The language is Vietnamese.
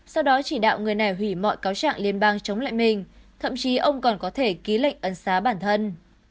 sau đó chỉ đạo người này hủy mọi cáo trạng liên bang chống lại mình thậm chí ông còn có thể ký lệnh ân xá bản thân